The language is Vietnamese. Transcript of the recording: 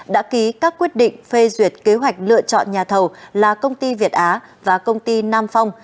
đã ký các quyết định phê duyệt kế hoạch lựa chọn nhà thầu là công ty việt á và công ty nam phong